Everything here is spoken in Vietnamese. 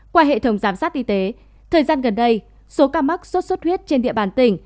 qua hệ thống giám sát y tế thời gian gần đây số ca mắc sốt xuất huyết trên địa bàn tỉnh